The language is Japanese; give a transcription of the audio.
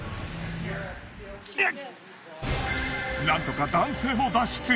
なんとか男性も脱出。